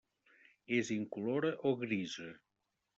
És incolora o grisa.